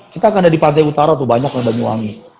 kita kan ada di pantai utara tuh banyak banyuwangi